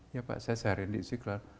ya pak saya seharian di istiqlal